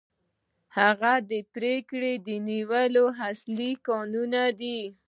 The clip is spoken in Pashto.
هغه د پرېکړې نیولو اصلي کانون دی.